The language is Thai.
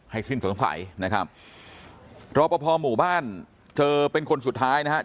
ให้สิ้นสนไข่นะครับเพราะว่าพอหมู่บ้านเจอเป็นคนสุดท้ายนะครับ